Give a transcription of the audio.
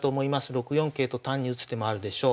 ６四桂と単に打つ手もあるでしょう。